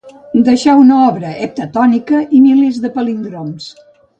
Deixà una obra heptatònica i milers de palíndroms.